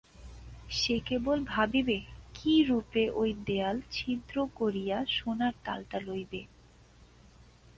সে কেবল ভাবিবে কিরূপে ঐ দেওয়াল ছিদ্র করিয়া সোনার তালটা লইবে।